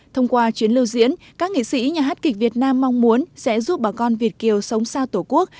thông qua chuyến lưu diễn các nghệ sĩ nhà hát kịch việt nam mong muốn sẽ giúp bà con việt kiều sống xa tổ quốc